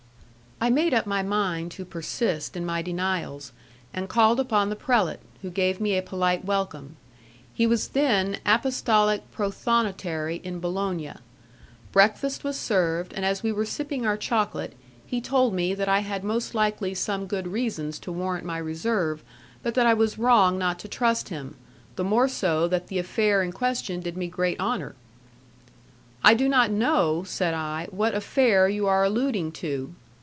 I made up my mind to persist in my denials, and called upon the prelate, who gave me a polite welcome. He was then apostolic prothonotary in Bologna. Breakfast was served, and as we were sipping our chocolate, he told me that I had most likely some good reasons to warrant my reserve, but that I was wrong not to trust him, the more so that the affair in question did me great honour. "I do not know," said I, "what affair you are alluding to."